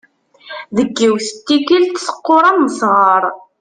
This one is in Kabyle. Deg yiwet n tikelt teqqur am usɣar.